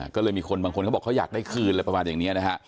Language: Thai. ก็เลยมีคนบางคนเขาบอกเขาอยากได้คืนอะไรประมาณอย่างนี้นะฮะ